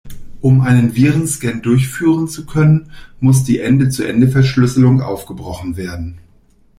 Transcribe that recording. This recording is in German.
Um einen Virenscan durchführen zu können, muss die Ende-zu-Ende-Verschlüsselung aufgebrochen werden.